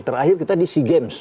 terakhir kita di sea games